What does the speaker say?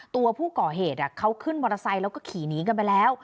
ตัวผู้ก่อเหตุเขาขึ้นมอเตอร์ไซค์แล้วก็ขี่หนีกันไปแล้ว